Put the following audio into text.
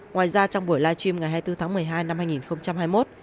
ngoài ra trong buổi live stream ngày hai mươi bốn tháng một mươi hai năm hai nghìn hai mươi một